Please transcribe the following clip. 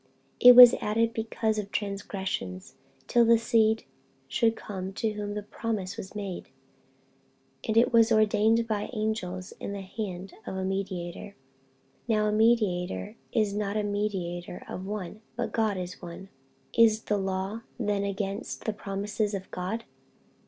It was added because of transgressions, till the seed should come to whom the promise was made; and it was ordained by angels in the hand of a mediator. 48:003:020 Now a mediator is not a mediator of one, but God is one. 48:003:021 Is the law then against the promises of God?